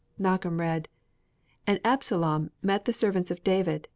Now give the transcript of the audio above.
Malcolm read: "'And Absalom met the servants of David.